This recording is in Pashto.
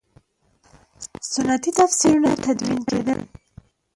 سنتي تفسیرونه تدوین کېدل.